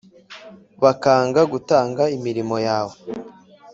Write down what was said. bakanga gutanga imirimo yawe